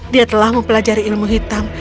dia telah mempelajari ilmu hitam